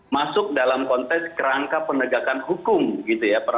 masuk dalam konteks kerangka penegakan hukum gitu ya